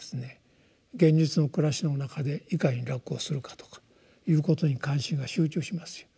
現実の暮らしの中でいかに楽をするかとかいうことに関心が集中しますよ。